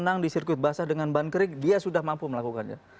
dia bisa di circuit basah dengan ban kering dia sudah mampu melakukannya